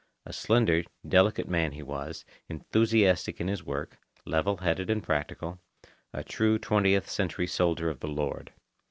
A slender, delicate man he was, enthusiastic in his work, level headed and practical, a true twentieth century soldier of the Lord.